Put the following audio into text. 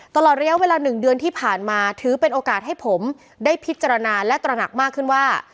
ตลอดระยะเวลา๑เดือนที่ผ่านมาถือเป็นโอกาสให้ผมได้พิจารณาและตระหนักมากขึ้นว่า